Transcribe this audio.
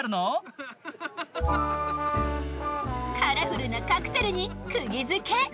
カラフルなカクテルにくぎづけ。